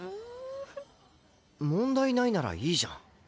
問題ないならいいじゃん。